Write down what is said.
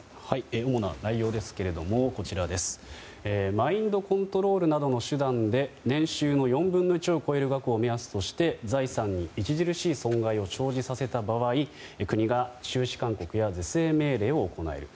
主な内容ですけれどもマインドコントロールなどの手段で年収の４分の１を超える額を目安として財産に著しい損害を生じさせた場合国が中止勧告や是正命令を行える。